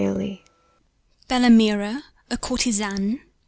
BELLAMIRA, a courtezan.